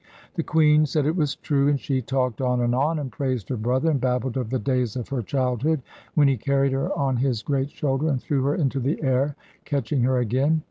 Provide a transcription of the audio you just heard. The queen said it was true, and she talked on and on and praised her brother, and babbled of the days of her childhood, when he carried her on his great shoulder, and threw her into the air, catching her again.